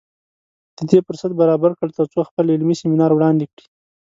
د دې فرصت برابر کړ تر څو خپل علمي سیمینار وړاندې کړي